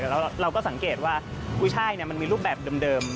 แล้วเราก็สังเกตว่ากุ้ยช่ายมันมีรูปแบบเดิม